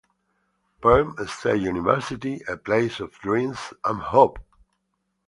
Perm State University, a place of dreams and hope,